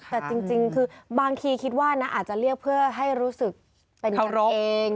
แต่จริงคือบางทีคิดว่านะอาจจะเรียกเพื่อให้รู้สึกเป็นเคารพเอง